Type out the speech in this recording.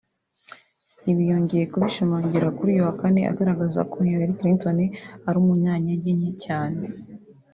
Ibi yongeye kubishimangira kuri uyu wa Kane agaragaza ko Hillary Clinton ari umunyantege nke cyane